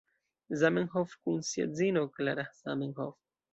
Zamenhof kun sia edzino, Klara Zamenhof.